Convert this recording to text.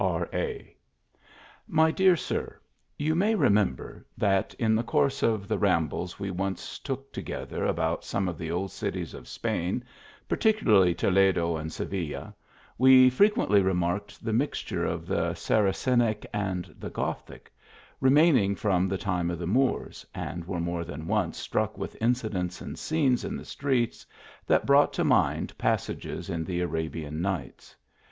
R.A. MY DEAR SIR : You may remember that, in the course of the rambles we once took together about some of the old cities of Spain, particularly Toledo and Seville, we frequently remarked the mixture of the Saracenic with the Gothic, remaining from the time of the Moors, and were more than once struck with incidents and scenes in the streets, that brought to mind passages in the "Arabian Nights."